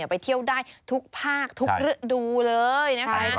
ไปเที่ยวได้ทุกภาคทุกฤดูเลยนะคะ